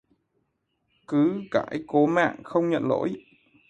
Cứ cãi cố mạng, không nhận lỗi